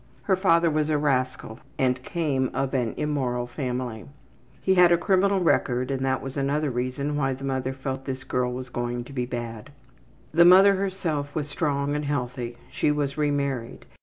Her father was a rascal and came of an immoral family. He had a criminal record, and that was another reason why the mother felt this girl was going to the bad. The mother herself was strong and healthy; she was remarried.